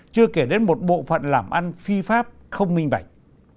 chưa kể đến một bộ phận làm ăn phi pháp không minh bạch